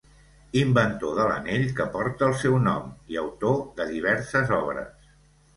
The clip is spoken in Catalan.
Inventor de l'anell que porta el seu nom i autor de diverses obres.